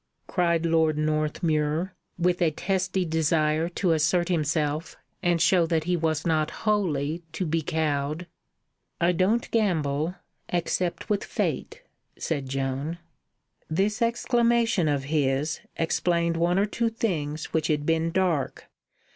cried Lord Northmuir, with a testy desire to assert himself and show that he was not wholly to be cowed. "I don't gamble, except with Fate," said Joan. This exclamation of his explained one or two things which had been dark.